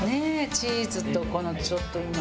チーズとこのちょっと今。